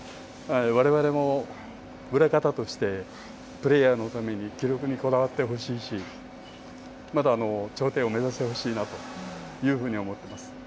われわれも裏方として、プレーヤーのために、記録にこだわってほしいし、また頂点を目指してほしいなというふうに思います。